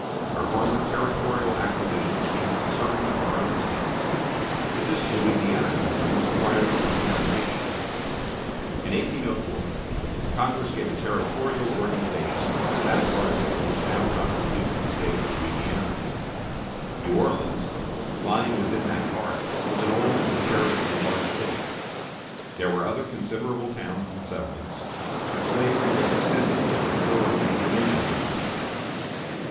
Our former territorial acquisitions came from certain of our own States; but this Louisiana country was acquired from a foreign nation. In 1804 Congress gave a territorial organization to that part of it which now constitutes the State of Louisiana. New Orleans, lying within that part, was an old and comparatively large city. There were other considerable towns and settlements, and slavery was extensively and thoroughly intermingled with the people.